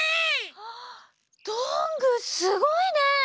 あどんぐーすごいね！